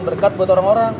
berkat buat orang orang